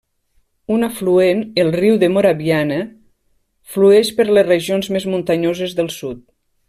Un afluent, el riu de Moraviana flueix per les regions més muntanyoses del sud.